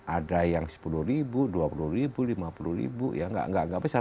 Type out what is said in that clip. ada yang sepuluh ribu dua puluh ribu lima puluh ribu ya nggak besar